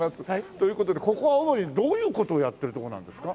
という事でここは主にどういう事をやってるとこなんですか？